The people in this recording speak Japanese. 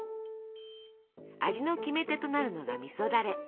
味のキメテとなるのがみそだれ。